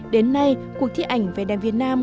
đến nay cuộc thi ảnh về đèn việt nam